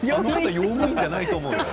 用務員じゃないと思う。